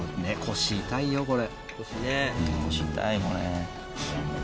腰痛いこれ。